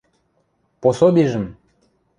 — Пособижӹм.